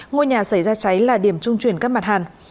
ngôi nhà xảy ra cháy là điểm trung chuyển các mặt hàng